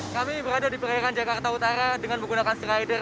kami berada di perairan jakarta utara dengan menggunakan strider